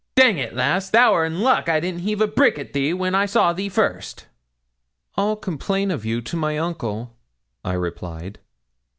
Dang it, lass, thou'rt in luck I didn't heave a brick at thee when I saw thee first.' 'I'll complain of you to my uncle,' I replied.